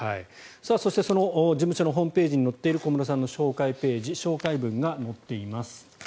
そして、事務所のホームページに載っている小室さんの紹介ページ紹介分が載っています。